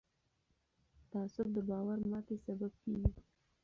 تعصب د باور ماتې سبب کېږي